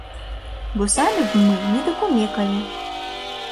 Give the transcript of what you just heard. Бо самі б мы не дакумекалі.